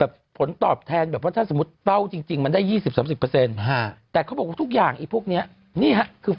อึกอึกอึกอึกอึกอึกอึกอึกอึก